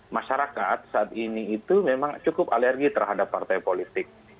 masyarakat saat ini itu memang cukup alergi terhadap partai politik